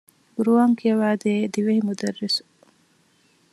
ޤުރުއާން ކިޔަވައިދޭ ދިވެހި މުދައްރިސު